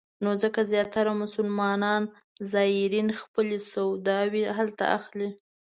نو ځکه زیاتره مسلمان زایرین خپلې سوداوې هلته اخلي.